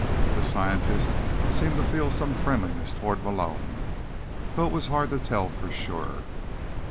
The scientist seemed to feel some friendliness toward Malone, though it was hard to tell for sure.